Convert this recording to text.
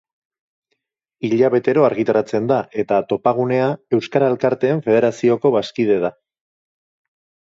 Hilabetero argitaratzen da eta Topagunea Euskara Elkarteen Federazioko bazkide da.